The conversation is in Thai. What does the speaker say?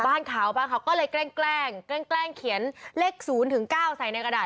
บ้านขาวบ้านเขาก็เลยแกล้งแกล้งแกล้งแกล้งเขียนเลขศูนย์ถึงเก้าใส่ในกระดาษ